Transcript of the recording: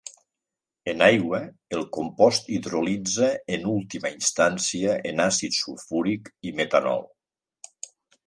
En aigua, el compost hidrolitza en última instància en àcid sulfúric i metanol.